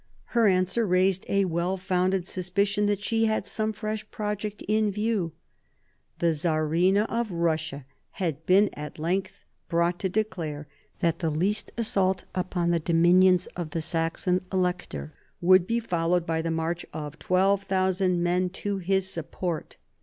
Her answer raised a well founded suspicion that she had some fresh project in view. The Czarina of Russia had been at length brought to declare that the least assault upon the dominions of the Saxon Elector would be followed by the march of 12,000 men to his support.